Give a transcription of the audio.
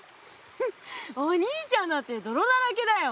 フフお兄ちゃんだってどろだらけだよ。